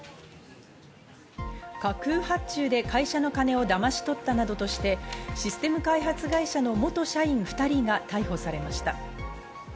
架空発注で会社の金をだまし取ったなどとして、システム開発会社の元社員２人が逮捕されました。